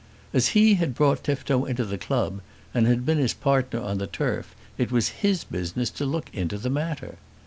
As he had brought Tifto into the club, and had been his partner on the turf, it was his business to look into the matter.